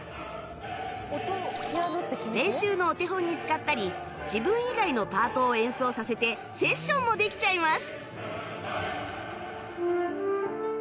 練習のお手本に使ったり自分以外のパートを演奏させてセッションもできちゃいます